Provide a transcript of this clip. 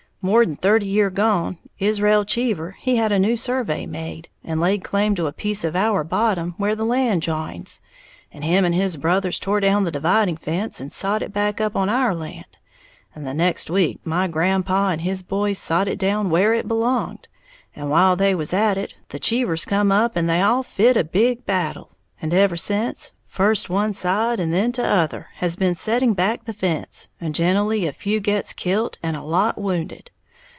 More'n thirty year' gone, Israel Cheever he had a new survey made, and laid claim to a piece of our bottom where the lands jines; and him and his brothers tore down the dividing fence and sot it back up on our land; and the next week, my grandpaw and his boys sot it down where it belonged, and while they was at it, the Cheevers come up and they all fit a big battle. And ever sence, first one side and then t'other has been setting back the fence, and gen'ally a few gets kilt and a lot wounded.